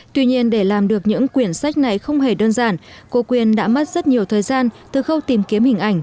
tuy nhiên để làm được những quyển sách này không hề đơn giản cô quyên đã mất rất nhiều thời gian từ khâu tìm kiếm hình ảnh